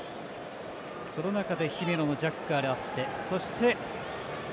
その中で姫野のジャッカルがあってそして